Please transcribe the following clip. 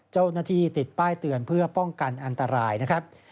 เจ้าหน้าที่ติดป้ายเตือนเพื่อป้องกันอันตรายนะครับ